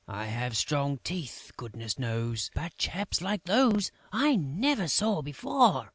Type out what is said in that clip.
"I have strong teeth, goodness knows; but chaps like those I never saw before!